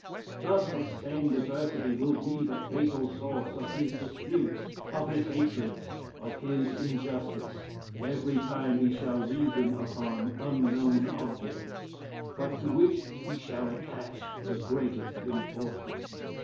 Thus this same diversity will be the fatal source of his disputes of his hatreds of his injustice every time he shall reason upon unknown objects, but to which he shall attach the greatest importance.